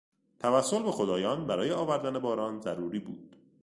توسل به خدایان برای آوردن باران ضروری بود.